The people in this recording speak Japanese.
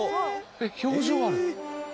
えっ表情ある。